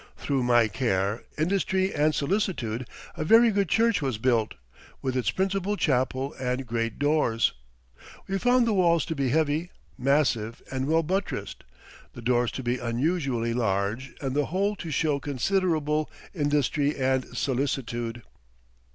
Through my care, industry and solicitude, a very good church was built, with its principal chapel and great doors." We found the walls to be heavy, massive, and well buttressed, the doors to be unusually large and the whole to show considerable "industry and solicitude."